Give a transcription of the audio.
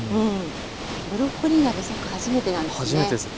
ブロッコリー鍋そっか初めてなんですよね。